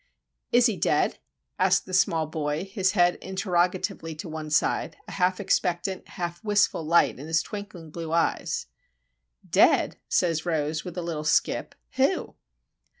"Is he dead?" asked the small boy, his head interrogatively to one side, a half expectant, half wistful light in his twinkling blue eyes. "Dead?" says Rose, with a little skip. "Who?"